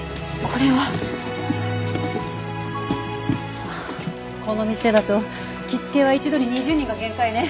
この店だと着付けは一度に２０人が限界ね。